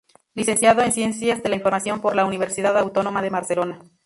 Licenciado en Ciencias de la Información por la Universidad Autónoma de Barcelona.